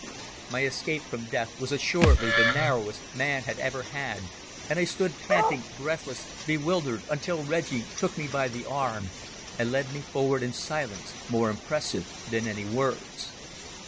My escape from death was assuredly the narrowest man had ever had, and I stood panting, breathless, bewildered, until Reggie took me by the arm and led me forward in silence more impressive than any words.